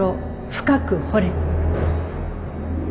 深く掘れ